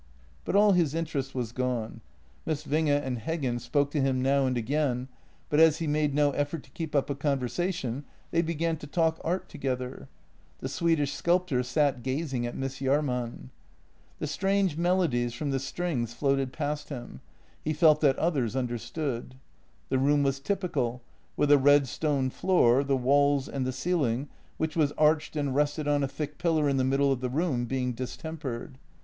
But all his interest was gone. Miss Winge and Heggen spoke to him now and again, but as he made no effort to keep up a conversation, they began to talk art together. The Sweed ish sculptor sat gazing at Miss Jahrman. The strange melo dies from the strings floated past him — he felt that others understood. The room was typical, with a red stone floor, the walls and the ceiling, which was arched and rested on a thick pillar in the middle of the room, being distempered.